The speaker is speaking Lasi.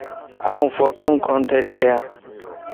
آن ڦوٽو ڪوتي ڪڊائين.